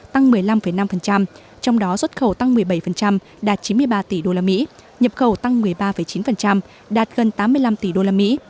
tăng một trăm bảy mươi tám tỷ usd tăng một mươi năm năm trong đó xuất khẩu tăng một mươi bảy đạt chín mươi ba tỷ usd nhập khẩu tăng một mươi ba chín đạt gần tám mươi năm tỷ usd